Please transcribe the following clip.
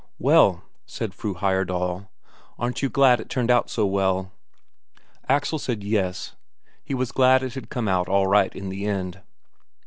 "Well," said Fru Heyerdahl, "aren't you glad it turned out so well?" Axel said, "Yes"; he was glad it had come out all right in the end.